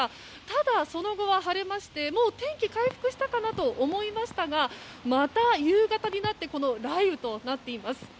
ただ、その後は晴れましてもう天気は回復したのかなと思いましたがまた夕方になって雷雨となっています。